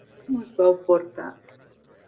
Com us vau portar?